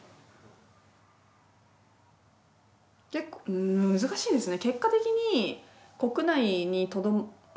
うん難しいですね。